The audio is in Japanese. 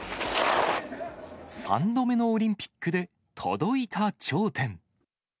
３度目のオリンピックで届いた頂点。